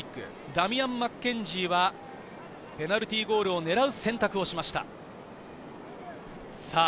ダミアン・マッケンジーはペナルティーゴールを狙う選択をしました。